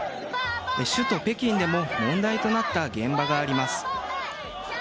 首都・北京でも問題となった現場があります。